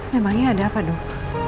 memangnya ada apa dok